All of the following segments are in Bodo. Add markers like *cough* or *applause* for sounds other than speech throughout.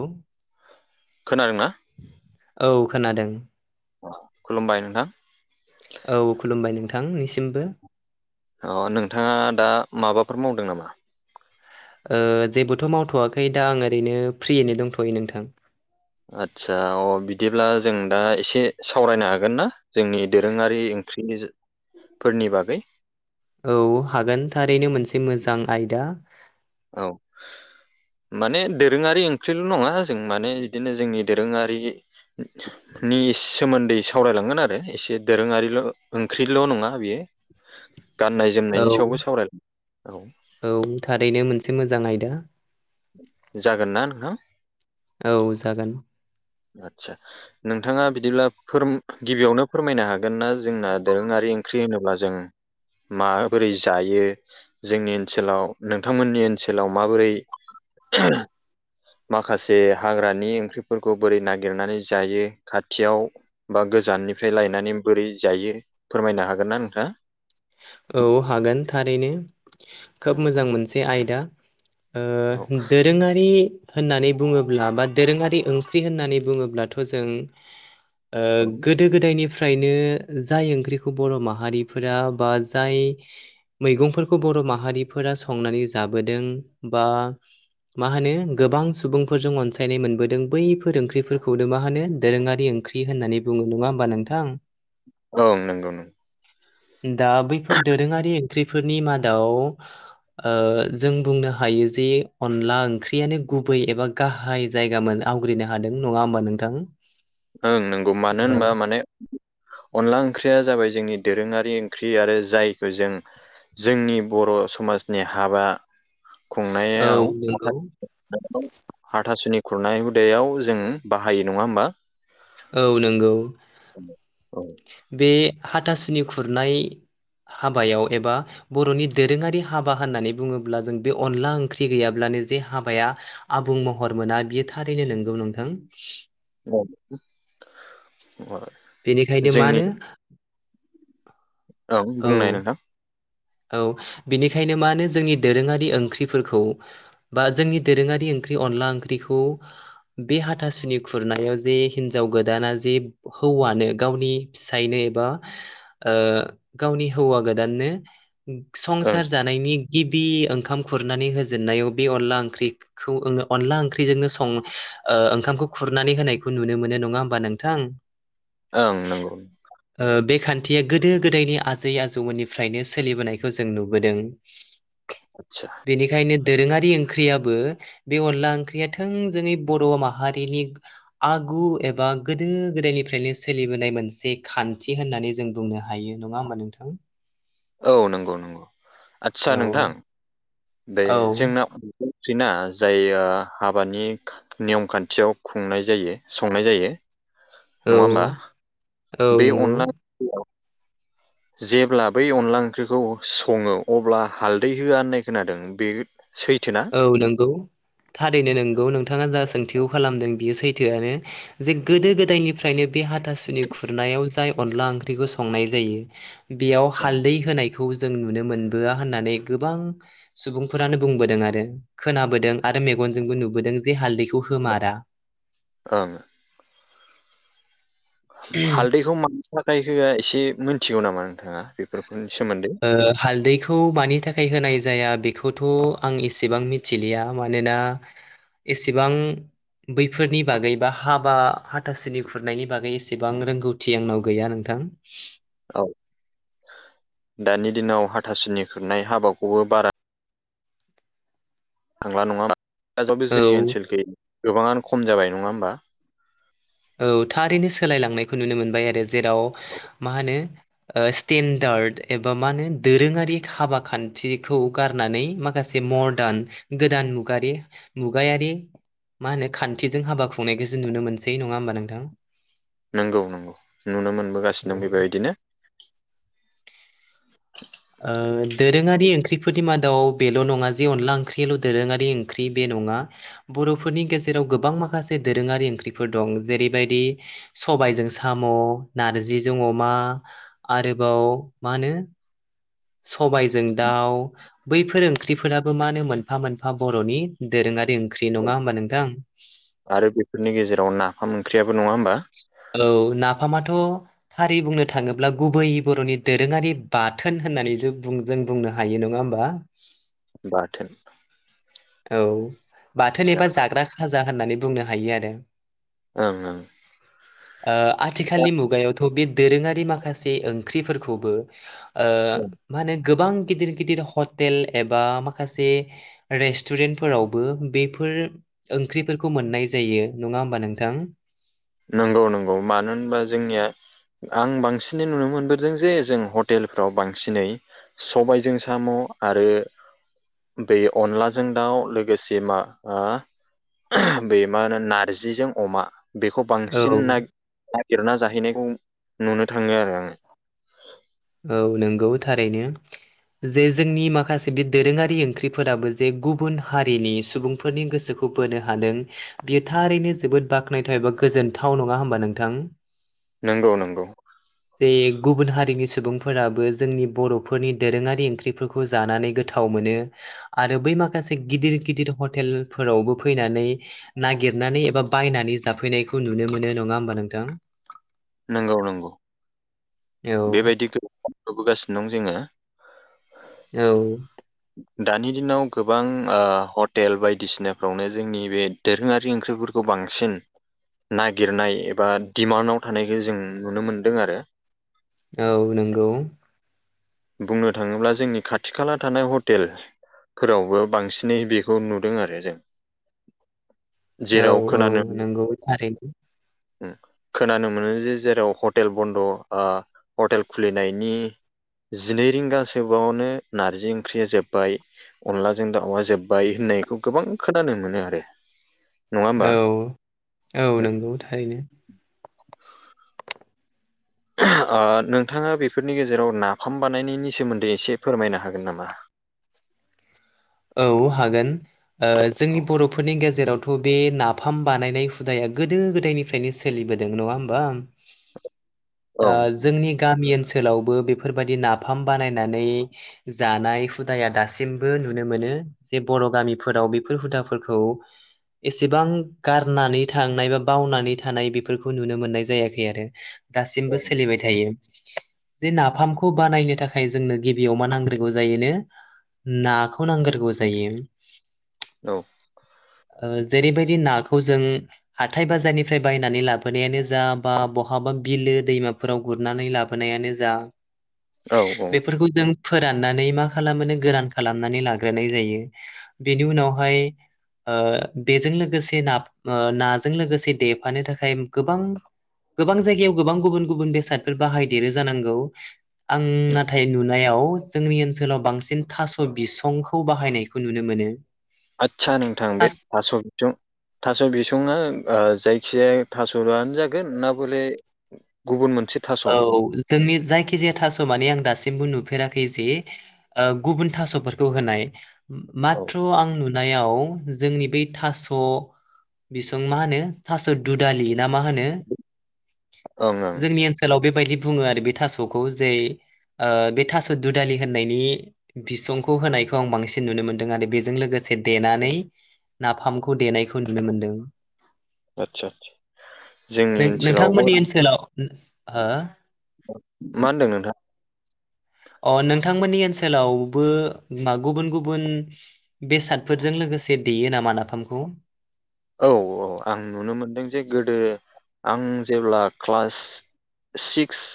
औ खोनादोंना औ खोनादों। खुलुमबाय नोंथां। औ खुलुमबाय नोंथांनिसिमबो अ नोंथाङा दा। माबाफोर मावदों नामा? ओ जेबोथ' मावथ'वाखै दा आं ओरैनो फ्रियैनो दंथ'यो नोंथां। आदसा अ बिदिब्ला जों दा एसे सावरायनो हागोन ना जोंनि दोरोङारि ख्रिनि फोरनि बागै। औ हागोन थारैनो मोनसे मोजां आयदा। औ माने दोरोङारि ओंख्रिल' नङा जों माने इदिनो जोंनि दोरोङारि नि सोमोन्दै सावरायलांगोन आरो एसे दोरोङारिल' ओंख्रिल नङा बियो। गाननाय औ जोमनायनि सायावबो सावराय औ औ थारैनो मोनसे मोजां आयदा। जागोन ना नोंथां? औ जागोन। आदसा नोंथाङा बिदिब्ला फोर गिबियावनो फोरमायनो हागोन ना जोंना दोरोङारि ओंख्रि होनोब्ला जों माबोरै जायो जोंनि ओनसोलाव नोंथांमोननि ओन ओनसोलाव माबोरै माखासे हाग्रानि ओंख्रिफोर खौ बोरै नागिरनानै जायो खाथियाव बा गोजाननिफ्राय लायनानै बोरै जायो। फोरमायनो हागोन ना नोंथाङा। औ हागोन थारैनो खोब मोजां मोनसे आयदा। ओ औ दोरोङारि होननानै बुङोब्ला बा दोरोङारि ओंख्रि होननानै बुङोब्लाथ' जों- ओ गोदो गोदाय निफ्रायनो जाय ओंख्रिखौ बर' माहारिफोरा बा जाय मैगंफोरखौ बर' माहारिफोरा संनानै जाबोदों बा मा होनो गोबां सुबुंफोरजों अनसायनाय मोनबोदों बैफोर ओंख्रिफोरखौनो मा होनो दोरोङारि ओं ख्रि होननानै बुङो नङा होमबा नोंथां? औ नोंगौ नों दा बै ख्रिफोरनि मादाव ओ जों बुंनो हायो जे अनला ओंख्रियानो गुबै एबा गाहाय जायगामोन। आवग्रिनो हादों नङा ओमबा नोंथां? ओं नंगौ मानो ओ होनबा माने अनला ओंख्रिया जाबाय जोंनि दोरोङारि ओंख्रि आरो जायखो जों जोंनि बर' समाजनि हाबा। औ खुंनायाव नंगौ *unintelligible* हाथासुनि खुरनाय हुदायाव जोङो बाहायो नङा होमबा?? औ नंगौ। *unintelligible* बे हाथासुनि खुरनाय हाबायाव एबा बर'नि दोरोङारि हाबा होननानै बुङोब्ला जों बे अनला ओंख्रि गैयाब्ला *unintelligible* जे हाबाया आबुं महर मोना बियो थारैनो नंगौ नोंथां। *unintelligible* बेनिखायनो जोंनि मानो औ बुंनाय नोंथां। औ बेनिखायनो मानो जोंनि दोरोङारि ओंख्रिफोरखौ बा जोंनि दोरोङारि ओं *unintelligible* अनला ओंख्रिखौ बे हाथासुनि खुरनायाव जे हिनजाव गोदाना जे हौवानो गावनि फिसायनो एबा ओ गावनि हौवा गोदाननो ओं संसार जानायनि गिबि ओंखाम खुरनानै होजेननायाव बे अनला ओंख्रिखौ अनला ओंख्रिजोंनो सं ओ ओंखामखौ खुरनानै होनायखौ नुनो मोनो नङा होमबा नोंथां? ओं नंगौ। थिया गोदो गोदायनि आजै आजौमोननिफ्रायनो सोलिबोनायखौ जों नुबोदों। आदसा बेनिखायनो दोरोङारि ओंख्रिया बो बे अनला ओंख्रिया थों जोंनि बर' माहारिनि आगु एबा गोदो गोदो गोदायनिफ्रायनो सोलिबोनाय मोनसे खान्थि होननानै जों बुंनो हायो नङा होमबा नोंथां? *unintelligible* औ नंगौ नंगौ आदसा औ नोंथां बे औ जोंना *unintelligible* जाय ओ हाबानि नियम खान्थियाव खुंनाय जायो संनाय जायो। औ नङा ओमबा औ बे नंगौ अनला *unintelligible* जेब्ला बै अनला ओंख्रिखौ सङो अब्ला हालदै होआ होननाय खोनादों बे सैथोना औ नंगौ थारैनो नोंगौ नोंथाङा जा सों *unintelligible* खालामदों बियो सैथोआनो जे गोदो गोदायनिफ्रायनो बे हाथासुनि खुरनायाव अनला ओंख्रिखौ संनाय जायो बेयाव हालदै होनाय खौ जों नुनो मोनबोआ होननानै गोबां सुबुंफोरानो बुंबोदों आरो खोनाबोदों आरो मेगनजोंबो नुबोदों जे हालदैखौ होमारा *unintelligible* ओं हालदैखौ मानो थाखाय होआ एसे मिथिगौ नामा नोंथाङा बेफोरखौ? ओ हालदैखो खौ मानि थाखाय होनाय जाया बेखौथ' आं एसेबां मिथिलिया मानोना एसेबां बैफोरनि बागै बा हाबा हाथासुनि खुरनायनि बागै एसेबां रोंगौथि आंनाव गैया नोंथां *unintelligible* औ दानि दिनाव हाथासिनि खुरनाय हाबाखौबो बारा *unintelligible* जोंनि औ ओनसोलखै गोबाङानो खम जाबाय नङा होमबा? औ थारैनो सोलायलांनायखौ नुनो मोनबाय आरो जेराव मा होनो ओ स्टेन्डार्ड एबा मा होनो दोरोङारि खाबा खान्थिखौ गारनानै माखासे जे मदार्न गोदान मुगारि मुगायारि मा होनो खान्थिजों हाबा खुंनायखौसो नुनो मोनसै नङा होमबा नोंथां? नंगौ नंगौ नुनो मोनबोगासिनो औ बेबायदिनो। ओ दोरोङारि ओंख्रि फोरनि मादाव बेल' नङा जे अनला ओंख्रिल' दोरोङारि ओंख्रि बे नङा बर'फोरनि गेजेराव गोबां माखासे दोरोङारि ओंख्रिफोर दं जेरैबादि सबाइजों साम' जों अमा आरोबाव मा होनो सबायजों दाउ बैफोर ओंख्रिफोराबो मा होनो मोनफा मोनफा बर'नि दोरोङारि ओंख्रि नङा होमबा नोंथां आरो बेफोरनि गेजेराव नाफाम ओंख्रियाबो नङा होमबा औ नाफामाथ' थारै बुंनो थाङोब्ला गुबै बर'नि दोरोङारि बाथोन होननानै ज जों बुंनो हायो नङा होमबा बाथोन औ बाथोन फिसा एबा जाग्रा खाजा होननानै बुंनो हायो आरो ओं ओं आथिखालनि मुगायावथ' बे दोरोङारि माखासे ओंख्रिफोरखौबो ओ माने गोबां गिदिर गिदिर हटेल एबा माखासे रेस्टुरेन्टफोरावबो बेफोर ओंख्रिफोरखौ मोननाय जायो नङा होमबा नोंथां नंगौ नंगौ मानो होनबा जोंनिया आं बांसिनै नुनो मोनबोदों जे जों हटेलफ्राव बांसिनै सबायजों साम' आरो बे अनलाजों दाउ लोगोसे मा बे मा होनो नारजिजों अमा बे बांसिन औ नागिरना जाहैनायखौ नुनो थाङो आरो आङो औ नंगौ थारैनो जे जोंनि माखासे बे दोरोङारि ओंख्रिफोराबो जे गुबुन हारिनि सुबुंफोरनि गोसोखौ खौ बोनो हादों बियो थारैनो जोबोद बाख्नायथाव एबा गोजोनथाव नङा होमबा नोंथां नंगौ नंगौ जे गुबुन हारिनि सुबुंफोराबो जोंनि बर'फोरनि दोरोङारि ओंख्रिफोरखौ जानानै गोथाव मोनो आरो बै माखासे गिदिर गिदिर हटेलफोरावबो फैनानै नागिरनानै एबा बायनानै जाफैनायखौ नुनो मोनो नङा होमबा नोंथां नंगौ नंगौ औ बेबायदिखौ नुबोगासिनो दं जोङो औ दानि दिनाव गोबां हटेल बायदिसिनाफ्रावनो जोंनि बे दोरोङारि ओंख्रिफोरखौ बांसिन नागिरनाय एबा डिमान्डआव थानायखौ जों नुनो मोनदों आरो औ नंगौ बुंनो थाङोब्ला जोंनि खाथि खाला थानाय हटेल फोरावबो बांसिनै बेखौ नुदों आरो जों औ जेराव औ नंगौ थारैनो ओ खोनानो मोनो जे जेराव हटेल बनद' हटेल खुलिनायनि जिनै रिंगासोबावनो नारजि ओंख्रिया जोबबाय अनलाजों दाउआ जोबबाय होननायखौ गोबां खोनानो मोनो आरो नङा होमबा औ औ नंगौ थारैनो *inaudible* नोंथाङा बेफोरनि गेजेराव नाफाम बानायनायनि सोमोनदै एसे फोरमायनो हागोन नामा *inaudible* औ हागोन जोंनि औ बर'फोरनि गेजेराव थ' बे नाफाम बानायनाय हुदाया गोदो गोदायनिफ्रायनो सोलिबोदों नङा होमबा *inaudible* जोंनि गामि ओनसोल ओनसोलावबो बेफोरबायाददि नाफाम बानायनानै जानाय हुदाया दासिमबो नुनो मोनो जे बर' गामिफोराव बेफोर हुदाफोरखौ एसेबां गारनानै थांनाय बा बावनानै थानाय बेफोरखौ नुनो मोननाय जायाखै आरो दासिमबो सोलिबाय थायो बेे नाफामखौ बानायनो थाखाय जोंनो गिबियाव मा नांग्रगौ जायोनो नाखौ नांगारगौ जायो औ जेरैबायदि नाखौ जों हाथाय बाजारनिफ्राय बायनानै लाबोनायानो जा बा बहाबा बिलो दैमाफोराव गुरनानै लाबोनायानो जा औ औ बेफोरखौ जों फोराननानै मा खालामो गोरान खालामनानै लागोन जायो बेनि उनावहाय बेजों लोगोसे ना नाजों लोगोसे देफानो थाखाय गोबां गोबां जायगायाव गोबां गुबुन गुबुन बेसादफोर बाहायदेरो जानांगौ आं नाथाय नुनायाव जोंनि ओनसोलाव बांसिन थास' बिसं खौ बाहायनायखौ नुनो मोनो आदसा नोंथां बे थास' बिसं थास' बिसङआ जायखिजाया थास''आनो जागोन ना बले गुबुन औ जोंनि जायखिजाया थास'माने आं दासिमबो नु नुेराखै ज गुब थफोरखौ होनाय म आं नु नुनायाव जोंनि बै थास' बिसं मा होनो थास' दुदालि ना मा होन ओं ओं जोंनि *unintelligible* बेबायदि बुङो आरो बे थास'खौ जे बे थास' दुदालि होननायनि बिसंखौ होनायखौ आं बांसिन नुनो मोनदों आरो बेजों लोगोसे माखसे देनानै नाफामखौ देनायखौ नुनो मोनदों आदसा जोंनि ओनसोलावबो नोंथांमोननि ओनसोलाव हो मा होनदों नोंथाङां अ नोंथांमोननि ओनसोलावबो मा गुबुन गुबुन बेसादफोरजों लोगोसे लोगोसे देयो नामा नाफामखौ औ औ आं नुनो मोनदों जे गोदो आं जेब्ला क्लास सिक्स।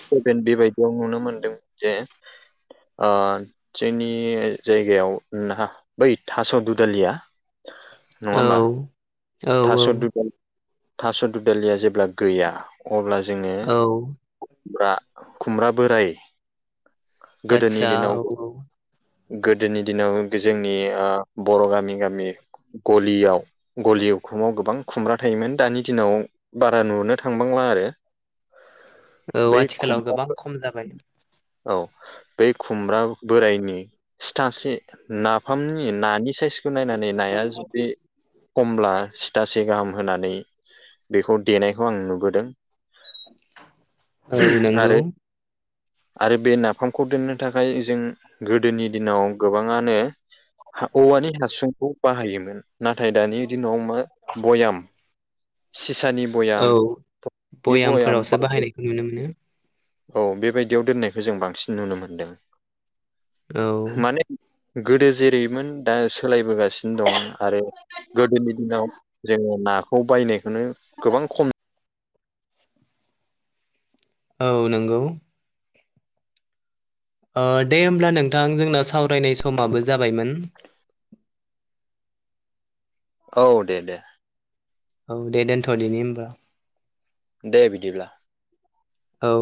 स्भेन बेबायदियाव नुनो मोनदों जे जोंनि जायगायाव न बै थास' दुदालिया नङा होमबा औ। औ थास' थास' ददलिया जेब्ला गैया। अब्ला औ जोङोुमब खुमब्रा बोराय गोदोनि आतसा दिनाव औ। गोदोनि दिनाव जोंनि बर' गामि गामि गलियाव गलियाव खुमाव गोबां खुमब्रा थायोमोन दानि दिनाव बारा नुनो थांबांला आरो। औ बै खुम आथिखालाव गोबां खम जाबाय। औ बै खुमब्रा बोरायनि सिथासे नाफामनि नानि साइस बेखौ नायनानै नाया जुदि खमब्ला सिथासे गाहाम होनानै बेखौ देनायखौ आं नुबोदों। औ नंगौ। आरो आरो बे नाफामखौ दोननो थाखाय जों गोदोनि दिनाव गोबाङानो औवानि हासुंखौ बाहायोमोन नाथाय दानि दिनाव मा भयाम सिसानि औ भयामनि बयाम। भयामफोरावसो बाहायनायखौ नुनो मोनो औ बेबायदियाव दोननायखौ जों बांसिन नुनो मोनदों। औ। माने गोदो जेरैमोन दा सोलायबोगासिनो दं आरो गोदोनि दिनाव जोङो ना खौ बायनायखौनो गोबां खम औ नंगौ। ओ दे होमब्ला नोंथां जोंना सावरायनाय समाबो जाबायमोन। औ दे दे। औ दे दोनथ' देनि होमबा। दे बिदिब्ला। औ।